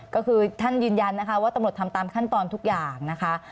ก็คือท่านยืนยันนะคะว่าตำรวจทำตามขั้นตอนทุกอย่างนะคะ